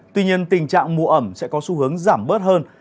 tuy nhiên tình trạng mù ẩm sẽ có xu hướng giảm bớt hơn